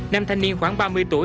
nam thanh niên khoảng ba mươi tuổi